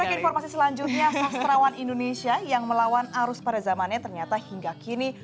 kita ke informasi selanjutnya sastrawan indonesia yang melawan arus pada zamannya ternyata hingga kini